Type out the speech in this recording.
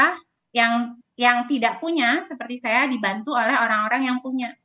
saya yang tidak punya seperti saya dibantu oleh orang orang yang punya